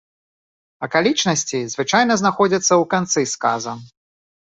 Акалічнасці, звычайна, знаходзяцца ў канцы сказа.